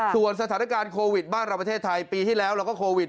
ซิสัชาการโควิดบ้านราวประเทศไทยปีที่แล้วเราก็โควิด